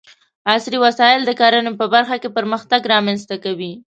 عصري وسايل د کرنې په برخه کې پرمختګ رامنځته کوي.